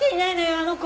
あの子！